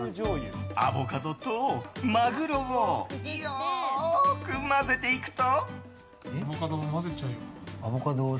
アボカドとマグロをよく混ぜていくと。